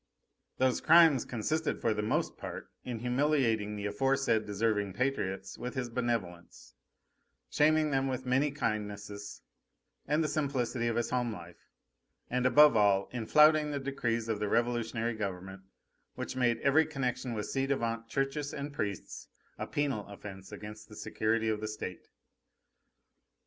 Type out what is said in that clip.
Those crimes consisted for the most part in humiliating the aforesaid deserving patriots with his benevolence, shaming them with many kindnesses, and the simplicity of his home life, and, above all, in flouting the decrees of the Revolutionary Government, which made every connection with ci devant churches and priests a penal offence against the security of the State.